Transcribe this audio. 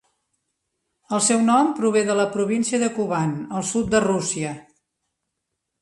El seu nom prové de la província de Kuban, al sud de Rússia.